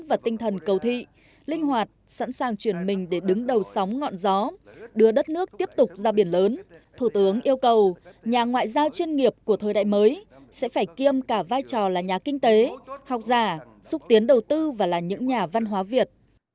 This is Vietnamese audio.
và tinh thần cầu thị linh hoạt sẵn sàng chuyển mình để đứng đầu sóng ngọn gió đưa đất nước tiếp tục ra biển lớn thủ tướng yêu cầu nhà ngoại giao chuyên nghiệp của thời đại mới sẽ phải kiêm cả vai trò là nhà kinh tế học giả xúc tiến đầu tư và là những nhà văn hóa việt